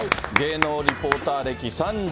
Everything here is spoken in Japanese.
芸能リポーター歴